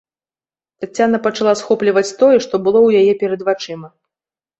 Таццяна пачала схопліваць тое, што было ў яе перад вачыма.